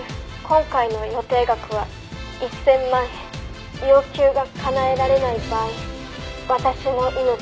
「今回の予定額は１０００万円」「要求がかなえられない場合私の命はない」